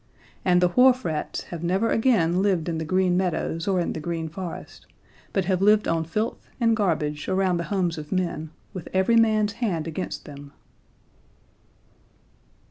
And the Wharf Rats have never again lived in the Green Meadows or in the Green Forest, but have lived on filth and garbage around the homes of men, with every man's hand against them."